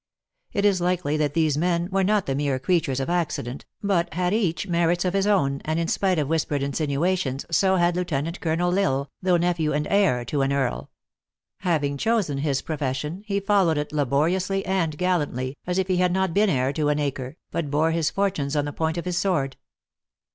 It is likely that these men were not the mere creatures of accident, but had each merits of his own, and in spite 46 THE ACTRESS IN HIGH LIFE. of whispered insinuations, so had Lieutenant Colonel L Isle, though nephew and heir to an earl. Having chosen his profession, he followed it laboriously and gallantly, as if he had not been heir to an acre but bore his fortunes on the point of his sword.